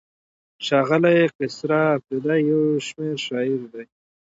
ښاغلی قیصر اپریدی یو شمېر شاعر دی.